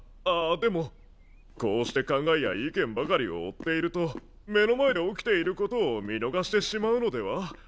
あでもこうして考えや意見ばかりを追っていると目の前で起きていることを見逃してしまうのでは？